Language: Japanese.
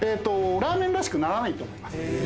ラーメンらしくならないと思いますへえー